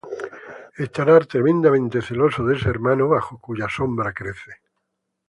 Estará tremendamente celoso de ese hermano bajo cuya sombra crece.